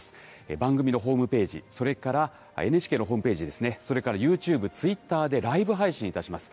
番組のホームページ、それからＮＨＫのホームページですね、それからユーチューブ、ツイッターでライブ配信いたします。